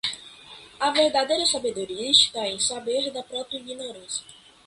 A verdadeira sabedoria está em saber da própria ignorância.